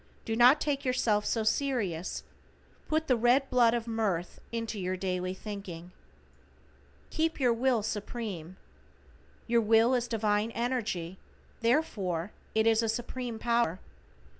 Do not take yourself so serious, put the red blood of mirth into your daily thinking. =KEEP YOUR WILL SUPREME:= Your will is divine energy, therefore it is a Supreme Power.